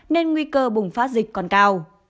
nên nguy cơ bùng phát dịch còn cao